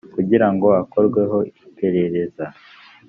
kugira ngo akorweho iperereza